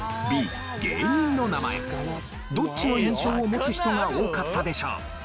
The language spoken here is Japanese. どっちの印象を持つ人が多かったでしょう？